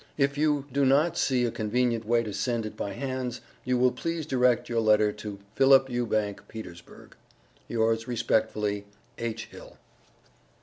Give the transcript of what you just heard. if you do not see a convenient way to send it by hands, you will please direct your letter to Phillip Ubank Petersburg. Yours Respectfully H HILL.